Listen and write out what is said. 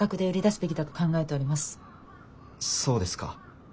そうですか。